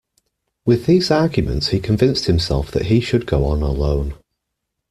With these arguments he convinced himself that he should go on alone.